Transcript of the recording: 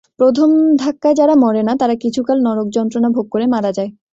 প্রথম ধাক্কায় যারা মরে না, তারা কিছুকাল নরকযন্ত্রণা ভোগ করে মারা যায়।